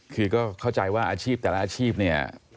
คือก็เข้าใจว่าอาชีพแต่ละอาชีพเนี่ย